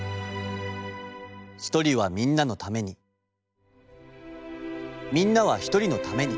「一人はみんなのためにみんなは一人のために」。